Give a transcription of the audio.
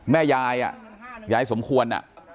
แม่ยายน์ยายน์สมควร